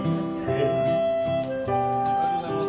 ありがとうございます。